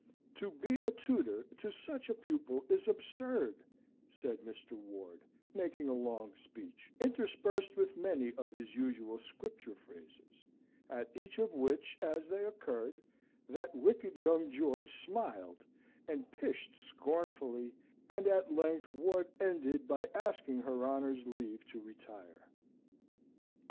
"To be a tutor to such a pupil is absurd," said Mr. Ward, making a long speech, interspersed with many of his usual Scripture phrases, at each of which, as they occurred, that wicked young George smiled, and pished scornfully, and at length Ward ended by asking her honour's leave to retire.